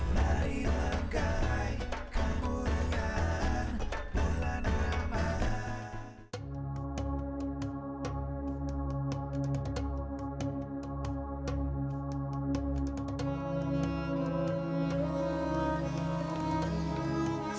marilah kapai kemuliaan bulan ramadhan